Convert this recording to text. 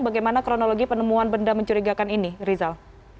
bagaimana kronologi penemuan benda mencurigakan ini rizal